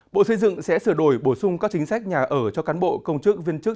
bộ xây dựng sẽ sửa đổi bổ sung các chính sách nhà ở cho cán bộ công chức viên chức